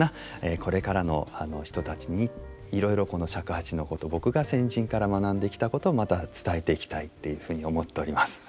これからの人たちにいろいろこの尺八のこと僕が先人から学んできたことをまた伝えていきたいっていうふうに思っております。